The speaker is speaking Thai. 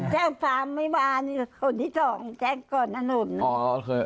แจ้งความไม่วานคนที่สองแจ้งก่อนอ่ะหนู